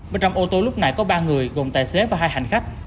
bên trong ô tô lúc này có ba người gồm tài xế và hai hành khách